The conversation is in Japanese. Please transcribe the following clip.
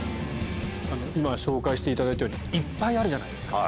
今紹介していただいたようにいっぱいあるじゃないですか。